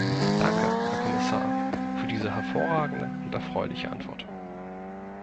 Danke, Herr Kommissar, für diese hervorragende und erfreuliche Antwort.